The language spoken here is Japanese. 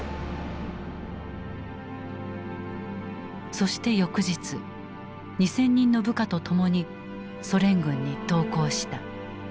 そして翌日２，０００人の部下とともにソ連軍に投降した。